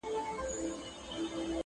زه ګرم نه یم دا زما زړه لېونی دی٫